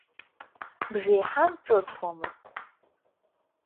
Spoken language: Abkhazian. Бжеиҳан ҿырҭуамызт.